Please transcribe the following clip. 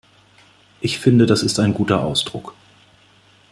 Ich finde, dass ist ein guter Ausdruck.